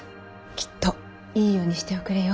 きっといい世にしておくれよ。